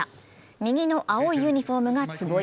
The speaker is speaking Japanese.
右の青いユニフォームが坪井。